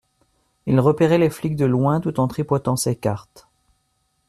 il repérait les flics de loin tout en tripotant ses cartes.